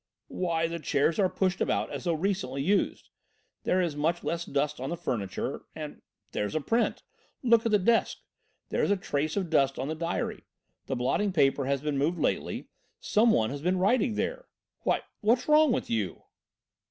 "Why, the chairs are pushed about as though recently used. There is much less dust on the furniture. And there's a print look at the desk, there is a trace of dust on the diary. The blotting paper has been moved lately, some one has been writing there why, what's wrong with you?"